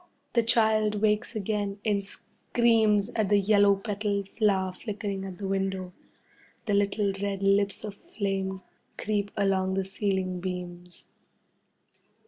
The child wakes again and screams at the yellow petalled flower flickering at the window. The little red lips of flame creep along the ceiling beams.